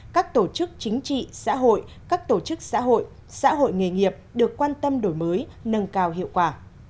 các tổ chức chính trị xã hội các tổ chức xã hội xã hội nghề nghiệp được quan tâm đổi mới nâng cao hiệu quả